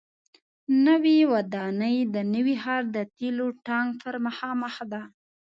نوې ودانۍ د نوي ښار د تیلو ټانک پر مخامخ ده.